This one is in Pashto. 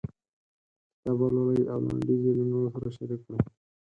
کتاب ولولئ او لنډيز یې له نورو سره شريک کړئ.